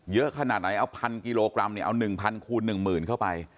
เยอะขนาดไหนเอา๑๐๐กิโลกรัมเนี่ยเอา๑๐๐คูณ๑๐๐๐เข้าไป